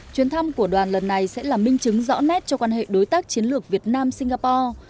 chuyến thăm của đoàn lần này sẽ là minh chứng rõ nét cho quan hệ đối tác chiến lược việt nam singapore